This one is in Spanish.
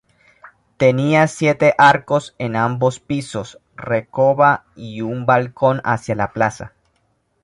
Tenía siete arcos en ambos pisos, recova y un balcón hacia la plaza.